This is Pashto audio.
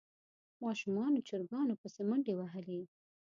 ماشومانو چرګانو پسې منډې وهلې.